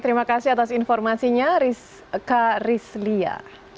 terima kasih atas informasinya rizka rizlia